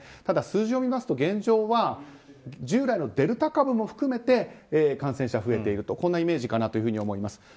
ただ、数字を見ますと現状は従来のデルタ株も含めて感染者、増えているとこんなイメージかなと思います。